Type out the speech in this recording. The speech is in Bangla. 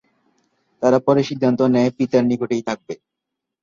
তারা পরে সিদ্ধান্ত নেয় পিতার নিকটেই থাকবে।